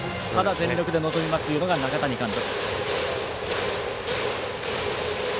ただ全力で臨みますと中谷監督。